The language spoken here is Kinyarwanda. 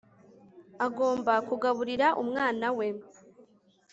agomba kugaburira umwana we